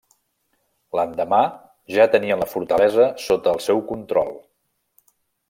L'endemà ja tenien la fortalesa sota el seu control.